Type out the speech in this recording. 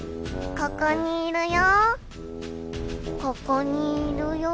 ここにいるよ。